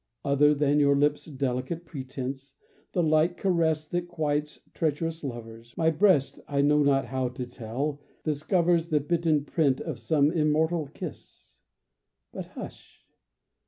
Other than their lips' delicate pretence, The light caress that quiets treacherous lovers, My breast, I know not how to tell, discovers The bitten print of some immortal's kiss. But hush!